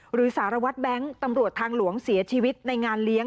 สารวัตรแบงค์ตำรวจทางหลวงเสียชีวิตในงานเลี้ยง